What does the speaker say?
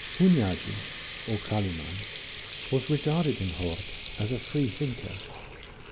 Hunyadi, or Kalimann, was regarded in Hort as a freethinker.